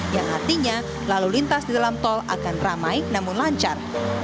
yang artinya lalu lintas di dalam tol akan ramai namun lancar